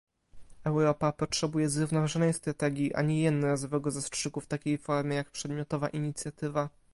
Europa potrzebuje zrównoważonej strategii, a nie jednorazowego zastrzyku w takiej formie, jak przedmiotowa inicjatywa